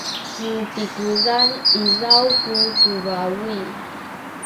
nu zikuzan izaw ku kuwawi